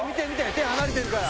手離れてるから。